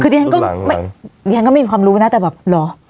คือดีทันก็ไม่มีความรู้นะแต่แบบเหรอ